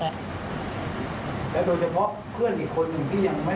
แต่โดยเฉพาะเพื่อนอีกคนที่ยังไม่เข้ามอบตัว